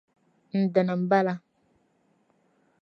N-dini m-bala.